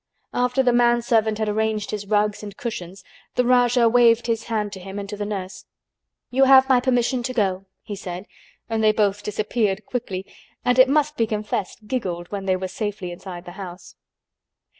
After the manservant had arranged his rugs and cushions the Rajah waved his hand to him and to the nurse. "You have my permission to go," he said, and they both disappeared quickly and it must be confessed giggled when they were safely inside the house.